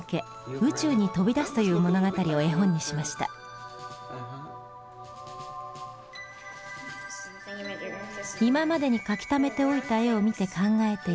今までに描きためておいた絵を見て考えていたナオミです。